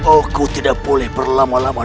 aku tidak boleh berlama lama